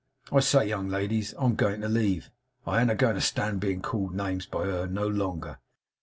I say, young ladies, I'm a going to leave. I an't a going to stand being called names by her, no longer.